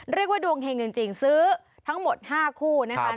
เรียกว่าดวงเฮงจริงซื้อทั้งหมด๕คู่นะคะ